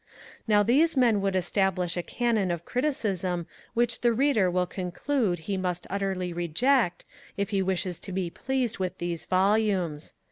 Now these men would establish a canon of criticism which the Reader will conclude he must utterly reject, if he wishes to be pleased with these volumes.